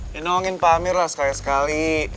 dinongin pak amir lah sekali sekali